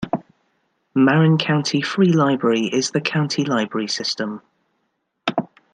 Marin County Free Library is the county library system.